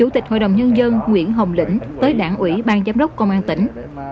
tới đảng ủy bang giám đốc công an tỉnh